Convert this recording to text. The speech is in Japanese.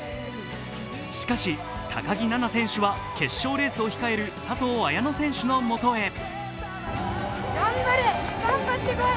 しかし、高木菜那選手は決勝レースを控える佐藤綾乃選手の元へ。